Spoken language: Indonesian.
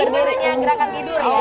berdirinya gerakan tidur